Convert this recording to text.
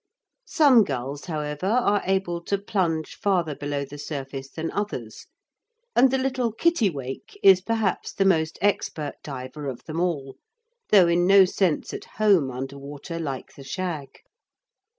Some gulls, however, are able to plunge farther below the surface than others, and the little kittiwake is perhaps the most expert diver of them all, though in no sense at home under water like the shag.